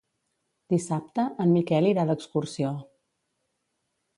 Dissabte en Miquel irà d'excursió.